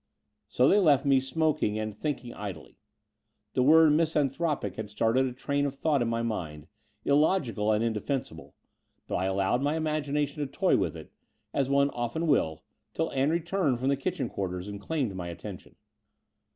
So they left me smoking and thinking idly. The word "misanthropic" had started a train of thought in my mind, illogical and indefensible; but I allowed my imagination to toy with it, as one often will, till Ann returned from the kitchen quarters and claimed my attention.